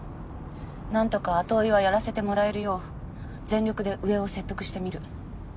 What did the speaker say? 何とか後追いはやらせてもらえるよう全力で上を説得してみる。